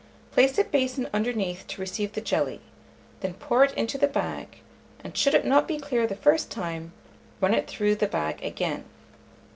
Place a basin underneath to receive the jelly; then pour it into the bag, and should it not be clear the first time, run it through the bag again.